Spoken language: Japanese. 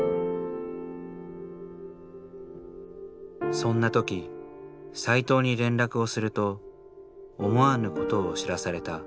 そんな時斎藤に連絡をすると思わぬことを知らされた。